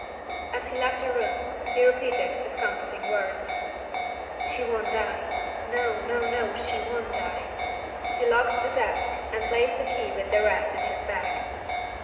As he left the room, he repeated his comforting words, "She won't die no, no, no; she won't die." He locked the desk and placed the key with the rest in his bag.